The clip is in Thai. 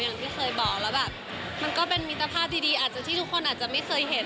อย่างที่เคยบอกแล้วแบบมันก็เป็นมิตรภาพดีอาจจะที่ทุกคนอาจจะไม่เคยเห็น